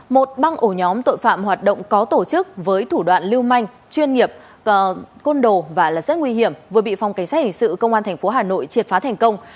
một băng ổ nhóm tội phạm hoạt động có tổ chức với thủ đoạn lưu manh chuyên nghiệp côn đồ và rất nguy hiểm vừa bị phòng cảnh sát hình sự công an tp hà nội triệt phá thành công